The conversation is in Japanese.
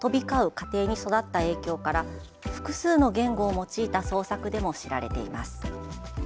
家庭に育った影響から複数の言語を用いた創作でも知られています。